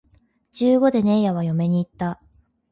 十五でねえやは嫁に行った